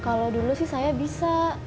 kalau dulu sih saya bisa